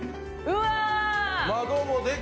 うわ。